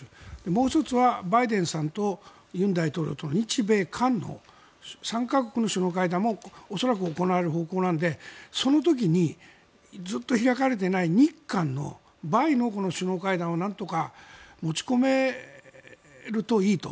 もう１つはバイデンさんと尹大統領との日米韓の３か国の首脳会談も恐らく行われる方向なのでその時にずっと開かれていない日韓のバイの首脳会談になんとか持ち込めるといいと。